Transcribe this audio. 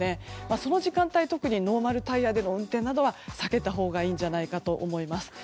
その時間特にノーマルタイヤでの運転は避けたほうがいいんじゃないかと思います。